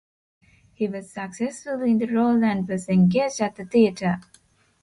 He was successful in the role and was engaged at the theater.